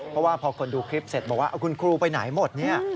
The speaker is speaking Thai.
เพราะว่าพอคนดูคลิปเสร็จบอกว่าคุณครูไปไหนหมดเนี่ย